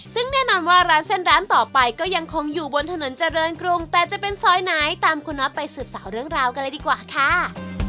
ซึ่งแน่นอนว่าร้านเส้นร้านต่อไปก็ยังคงอยู่บนถนนเจริญกรุงแต่จะเป็นซอยไหนตามคุณน็อตไปสืบสาวเรื่องราวกันเลยดีกว่าค่ะ